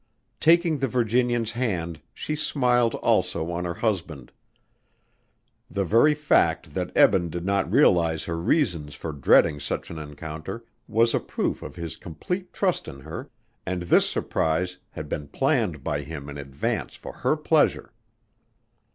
Taking the Virginian's hand she smiled also on her husband. The very fact that Eben did not realize her reasons for dreading such an encounter was a proof of his complete trust in her, and this surprise had been planned by him in advance for her pleasure.